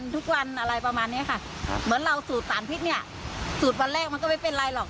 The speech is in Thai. ทุกวันอะไรประมาณนี้ค่ะเหมือนเราสูตรสารพิษเนี่ยสูตรวันแรกมันก็ไม่เป็นไรหรอก